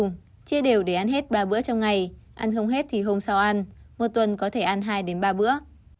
chia đều để ăn hết ba bữa trong ngày ăn không hết thì hôm sau ăn một tuần có thể ăn hai ba bữa